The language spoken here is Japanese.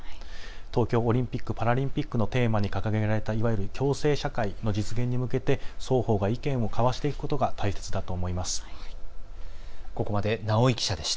東京オリンピック・パラリンピックのテーマに掲げられた共生社会の実現に向けて双方が意見を交わしていくことが大切だと思います。